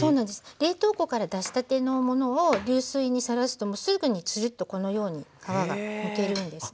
冷凍庫から出したてのものを流水にさらすともうすぐにツルッとこのように皮がむけるんですね。